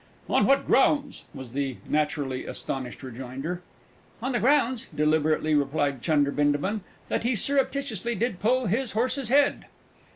"On what grounds?" was the naturally astonished rejoinder. "On the grounds," deliberately replied Chunder Bindabun, "that he surreptitiously did pull his horse's head."